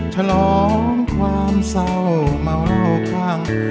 ฉลองความเศร้ามารอบข้าง